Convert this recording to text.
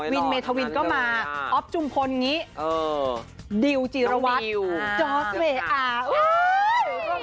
วินเมทวินก็มาอ๊อฟจุงพลดิวจิรวัตรจอสเวอร์